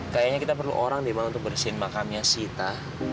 kayaknya kita perlu orang untuk bersihin makamnya sita